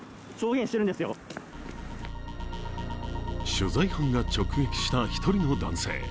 取材班が直撃した１人の男性。